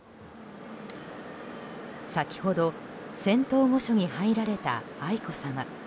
先ほど仙洞御所に入られた愛子さま。